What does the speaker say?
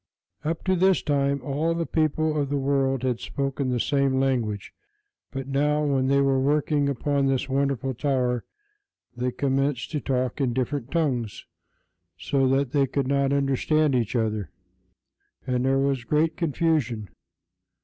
Up to this time all the people of the world had spoken the same language; but now, when they were working upon this wonderful tower, they commenced to talk in different tongues so that they could not understand each other, and there was great confusion.